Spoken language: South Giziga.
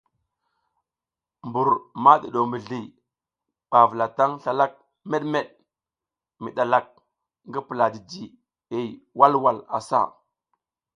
Mbur ma ɗuɗo mizli ɓa vulataŋ slalak meɗmeɗ mi ɗalak ngi pula jijihey walwal asa.